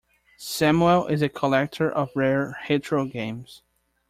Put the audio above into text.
Samuel is a collector of rare retro games.